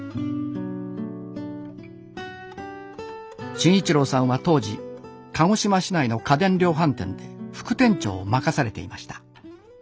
慎一郎さんは当時鹿児島市内の家電量販店で副店長を任されていました。